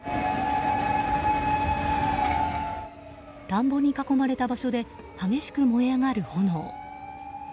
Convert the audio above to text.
田んぼに囲まれた場所で激しく燃え上がる炎。